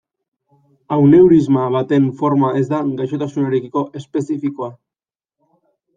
Aneurisma baten forma ez da gaixotasunarekiko espezifikoa.